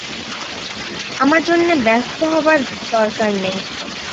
আমার জন্যে ব্যস্ত হবার দরকার নেই।